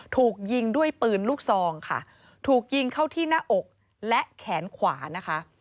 ถูกยิงด้วยปืนลูกซองค่ะถูกยิงเข้าที่หน้าอกและแขนขวานะคะ